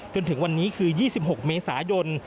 จนถึงวันนี้คือ๒๖เมษายน